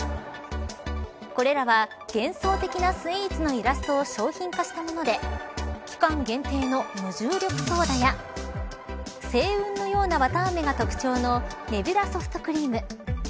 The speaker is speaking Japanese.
これらは幻想的なスイーツのイラストを商品化したもので期間限定の無重力ソーダや星雲のような綿あめが特徴のネビュラソフトクリーム。